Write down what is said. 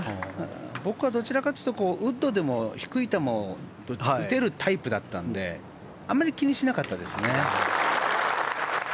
僕はどちらかというとウッドでも低い球を打てるタイプだったのであまり気にしなかったですね。